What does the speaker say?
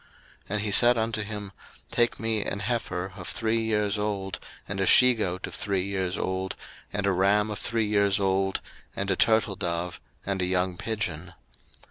01:015:009 And he said unto him, Take me an heifer of three years old, and a she goat of three years old, and a ram of three years old, and a turtledove, and a young pigeon.